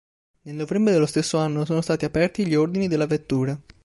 Nel novembre dello stesso anno sono stati aperti gli ordini della vettura.